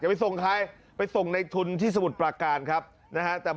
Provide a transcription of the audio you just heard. ไปส่งใครไปส่งในทุนที่สมุทรปราการครับนะฮะ